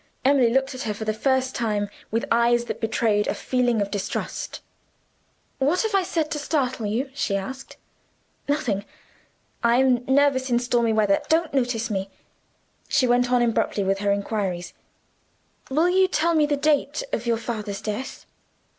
Emily looked at her for the first time, with eyes that betrayed a feeling of distrust. "What have I said to startle you?" she asked. "Nothing! I am nervous in stormy weather don't notice me." She went on abruptly with her inquiries. "Will you tell me the date of your father's death?"